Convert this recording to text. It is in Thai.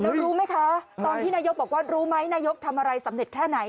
แล้วรู้ไหมคะตอนที่นายกบอกว่ารู้ไหมนายกทำอะไรสำเร็จแค่ไหน